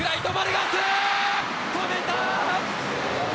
止めた！